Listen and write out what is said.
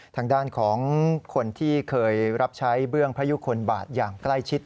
ทางด้านของคนที่เคยรับใช้เบื้องพระยุคลบาทอย่างใกล้ชิด